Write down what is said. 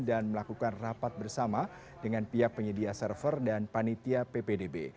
dan melakukan rapat bersama dengan pihak penyedia server dan panitia ppdb